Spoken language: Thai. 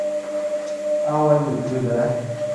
เอาวันหยุดคืนมานะ